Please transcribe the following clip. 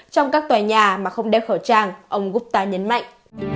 trong các tòa nhà mà không đeo khẩu trang ông gutta nhấn mạnh